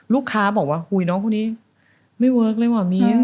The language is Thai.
ลูกค้าบอกว่าอุ๊ยน้องคนนี้ไม่เวิร์คเลยว่ะเมีย